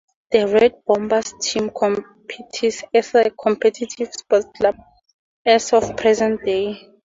The Red Bombers team competes as a competitive sport club as of present day.